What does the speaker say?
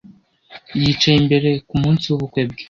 Yicaye imbere ku munsi w'ubukwe bwe